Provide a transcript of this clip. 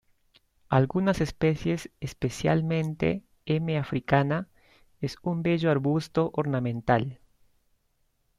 Algunas especies, especialmente "M. africana", es un bello arbusto ornamental.